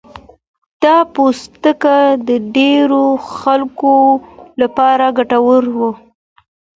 دا پوسټ د ډېرو خلکو لپاره ګټور و.